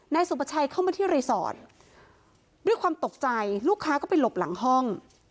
สุประชัยเข้ามาที่รีสอร์ทด้วยความตกใจลูกค้าก็ไปหลบหลังห้อง